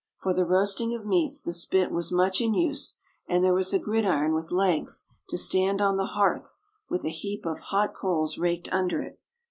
For the roasting of meats the spit was much in use; and there was a gridiron with legs, to stand on the hearth, with a heap of hot coals raked under it.